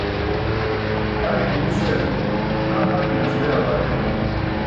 Pʰariṣe iskar tam hakinas be awaji.